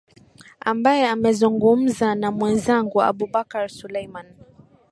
ambaye amezungumza na mwenzangu abubakar suleiman